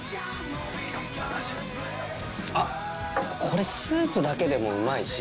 あっこれスープだけでもうまいし。